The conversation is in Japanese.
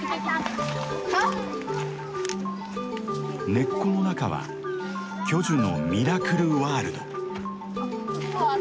根っこの中は巨樹のミラクルワールド。